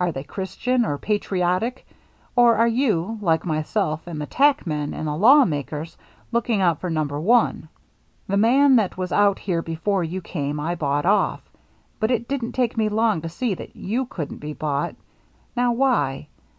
Are they Christian, or patriotic, or are you, like myself and the tack men, and the law makers, looking out for number one ? The man that was out here before you came I bought off. But it didn't take me long to see that you couldn't be bought. Now why?